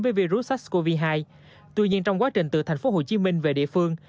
với virus sars cov hai tuy nhiên trong quá trình từ thành phố hồ chí minh về địa phương